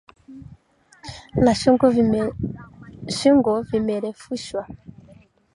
na shingo vimerefushwa